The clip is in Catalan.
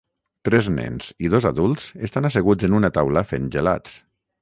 Tres nens i dos adults estan asseguts en una taula fent gelats